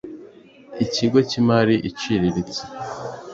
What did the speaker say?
Ikigo cy imari iciriritse